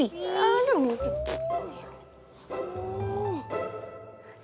iya jangan mimpi